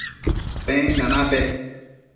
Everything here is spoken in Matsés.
tenda napec?